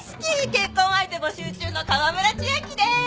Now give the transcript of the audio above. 結婚相手募集中の川村千秋です！